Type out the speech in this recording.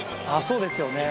そうですよね